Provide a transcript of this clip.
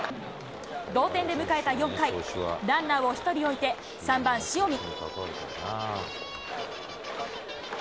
同点で迎えた４回、ランナーを１人置いて、３番塩見。